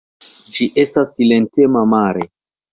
Ĝi estas silentema mare.